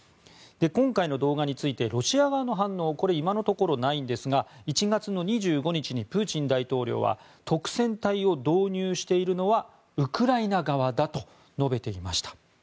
今回の動画についてロシア側の反応は今のところないんですが１月の２５日にプーチン大統領は督戦隊を導入しているのはウクライナ側だと述べていました。